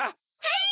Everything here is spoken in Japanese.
はい！